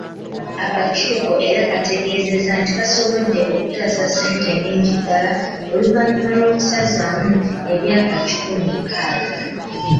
Akakiiko era kategezezza nti kasobodde okutaasa ssente nnyingi ddala oluvanyuma lw'okusazaamu ebyapa kikumi nkaaga.